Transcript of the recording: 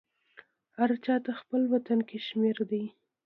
هر چا ته خپل وطن کشمیر دی.